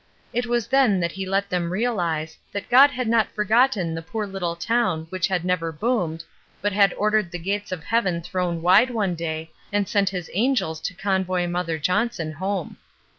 It was then that he let them realize that God had not forgotten the poor little town which had never boomed, but had ordered the gates of heaven thrown wide one day and sent his angels to convoy Mother Johnson home.